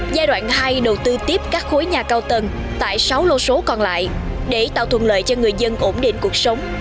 giai đoạn hai đầu tư tiếp các khối nhà cao tầng tại sáu lô số còn lại để tạo thuận lợi cho người dân ổn định cuộc sống